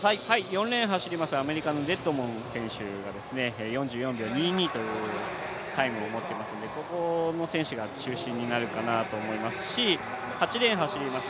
４レーンを走ります、アメリカのデッドモン選手が４４秒２２というタイムを持っていますので、ここの選手が中心になるかなと思いますし８レーン走ります